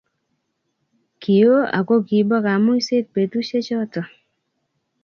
Kioo ako kibo kamuiset betusiechoto